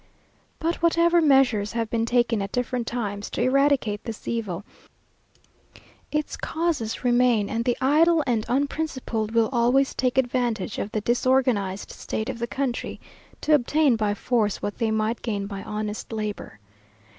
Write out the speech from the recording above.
But whatever measures have been taken at different times to eradicate this evil, its causes remain, and the idle and unprincipled will always take advantage of the disorganized state of the country, to obtain by force what they might gain by honest labour.